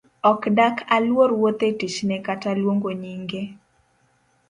Ok dak aluor wuoth’e tichne kata luongo nyinge?